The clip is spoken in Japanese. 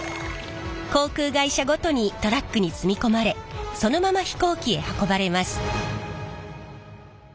航空会社ごとにトラックに積み込まれそのまま飛行機へ運ばれます。